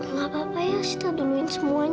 gak apa apa ya kita duluin semuanya